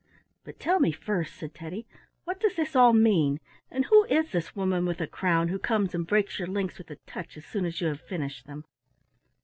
"But tell me first," said Teddy, "what does this all mean, and who is this woman with a crown who comes and breaks your links with a touch as soon as you have finished them?"